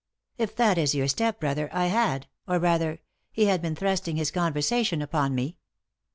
" If that is your step brother, I had ; or, rather, he had been thrusting his conversation upon me."